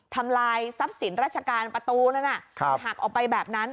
ทำลายทรัพย์สินราชการประตูนั้นหักออกไปแบบนั้น